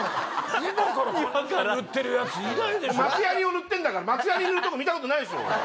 松やにを塗ってんだから松やに塗るとこ見たことないでしょ？